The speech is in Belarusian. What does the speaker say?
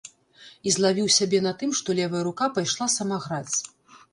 І злавіў сябе на тым, што левая рука пайшла сама граць.